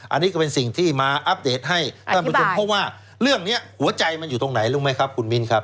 อันนี้ก็เป็นสิ่งที่มาอัปเดตให้ท่านผู้ชมเพราะว่าเรื่องนี้หัวใจมันอยู่ตรงไหนรู้ไหมครับคุณมิ้นครับ